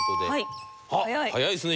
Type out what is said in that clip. あっ早いですね。